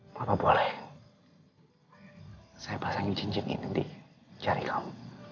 bapak boleh saya pasang cincin ini di jari kamu